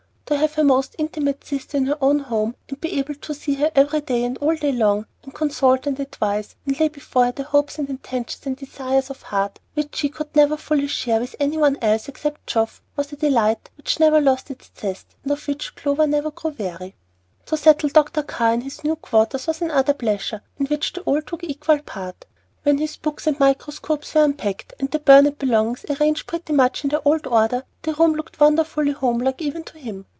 To have her most intimate sister in her own home, and be able to see her every day and all day long, and consult and advise and lay before her the hopes and intentions and desires of her heart, which she could never so fully share with any one else, except Geoff, was a delight which never lost its zest, and of which Clover never grew weary. To settle Dr. Carr in his new quarters was another pleasure, in which they all took equal part. When his books and microscopes were unpacked, and the Burnet belongings arranged pretty much in their old order, the rooms looked wonderfully homelike, even to him.